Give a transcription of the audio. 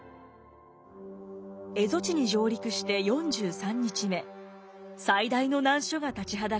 蝦夷地に上陸して４３日目最大の難所が立ちはだかります。